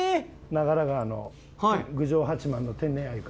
長良川の郡上八幡の天然鮎から。